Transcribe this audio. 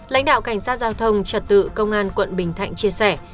lãnh đạo cảnh sát giao thông trật tự công an quận bình thạnh chia sẻ